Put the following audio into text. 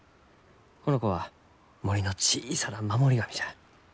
この子は森の小さな守り神じゃ。